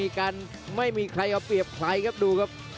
กันไม่มีใครเอาเปรียบใครครับดูครับ